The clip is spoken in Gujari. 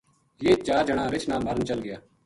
یہ چار جنا رچھ نا مارن چل گیا